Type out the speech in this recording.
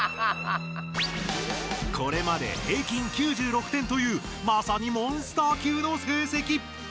これまで平均９６点というまさにモンスター級の成績！